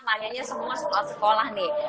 nanyanya semua soal sekolah nih